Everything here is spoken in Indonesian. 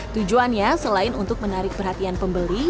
tujuannya selain untuk menarik perhatian pembeli